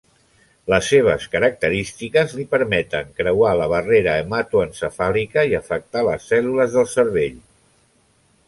Les seves característiques li permeten creuar la barrera hematoencefàlica i afectar les cèl·lules del cervell.